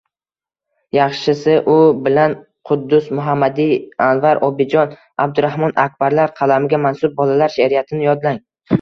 Yaxshisi u bilan Quddus Muhammadiy, Anvar Obidjon, Abdurahmon Akbarlar qalamiga mansub bolalar sheʼriyatini yodlang.